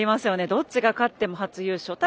どっちが勝っても初優勝。